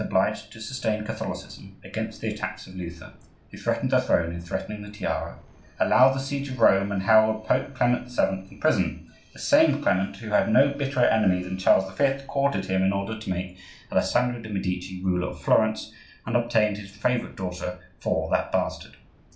obliged to sustain Catholicism against the attacks of Luther, who threatened the Throne in threatening the Tiara, allowed the siege of Rome and held Pope Clement VII. in prison! This same Clement, who had no bitterer enemy than Charles V., courted him in order to make Alessandro de' Medici ruler of Florence, and obtained his favorite daughter for that bastard.